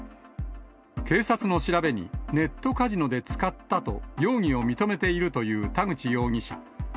警察の調べに、ネットカジノで使ったと、容疑を認めているという田口容疑者。